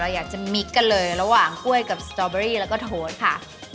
อยากจะมิกกันเลยระหว่างกล้วยกับสตอเบอรี่แล้วก็โทสค่ะ